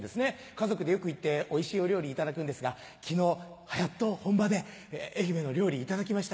家族でよく行っておいしいお料理いただくんですが昨日やっと本場で愛媛の料理いただきました。